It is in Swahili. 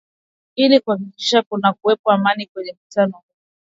ili kuhakikisha kunakuwepo Amani kwenye mkutano huo